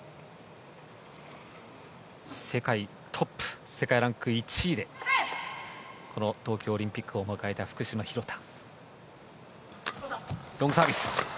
世界トップ世界ランク１位でこの東京オリンピックを迎えた福島、廣田。